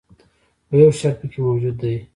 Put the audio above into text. خو یو شرط پکې موجود دی.